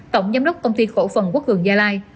tổng giám đốc công ty khổ phần quốc hường gia lai